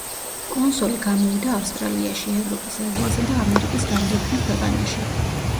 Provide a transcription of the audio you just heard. კონსოლი გამოვიდა ავსტრალიაში, ევროპის, აზიისა და ამერიკის რამდენიმე ქვეყანაში.